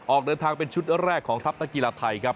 ออกเดินทางเป็นชุดแรกของทัพนักกีฬาไทยครับ